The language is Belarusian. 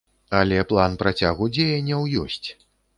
Але план працягу дзеянняў ёсць.